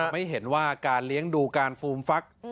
ไม่เห็นว่าการเลี้ยงดูการฟูมฟัก